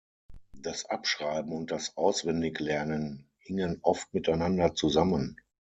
Das Abschreiben und das Auswendiglernen hingen oft miteinander zusammen.